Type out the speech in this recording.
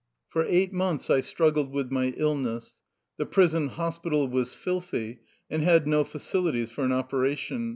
For eight months I struggled with my illness. The prison hospital was filthy and had no facili ties for an operation.